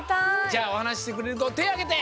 じゃあおはなししてくれるこてあげて！